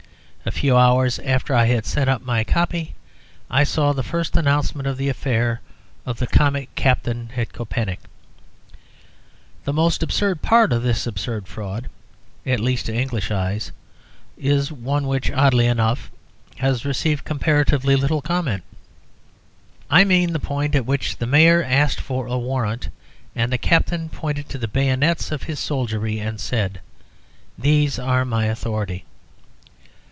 A few hours after I had sent up my "copy," I saw the first announcement of the affair of the comic Captain at Koepenick. The most absurd part of this absurd fraud (at least, to English eyes) is one which, oddly enough, has received comparatively little comment. I mean the point at which the Mayor asked for a warrant, and the Captain pointed to the bayonets of his soldiery and said. "These are my authority."